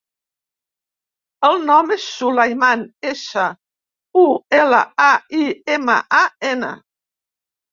El nom és Sulaiman: essa, u, ela, a, i, ema, a, ena.